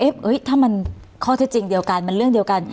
ถ้ามันข้อเท็จจริงเดียวกันมันเรื่องเดียวกัน